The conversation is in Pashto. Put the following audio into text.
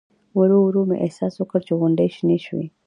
ورو ورو مې احساس وکړ چې غونډۍ شنې شوې.